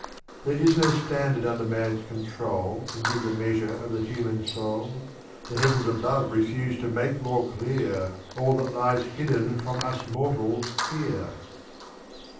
There is no standard under man's control Can give the measure of the human soul. The heavens above refuse to make more clear All that lies hidden from us mortals here.